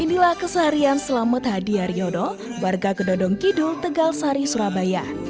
inilah keseharian selamat hadi haryono warga kedondong kidul tegal sari surabaya